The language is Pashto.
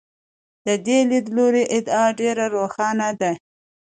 د دې لیدلوري ادعا ډېره روښانه ده.